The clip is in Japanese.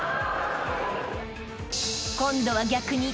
［今度は逆に］